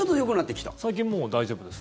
最近、もう大丈夫です。